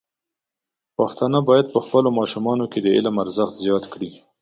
پښتانه بايد په خپلو ماشومانو کې د علم ارزښت زیات کړي.